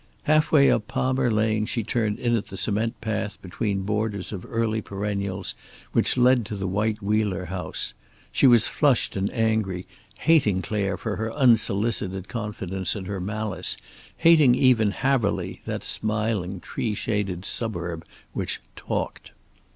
Half way up Palmer Lane she turned in at the cement path between borders of early perennials which led to the white Wheeler house. She was flushed and angry, hating Clare for her unsolicited confidence and her malice, hating even Haverly, that smiling, tree shaded suburb which "talked."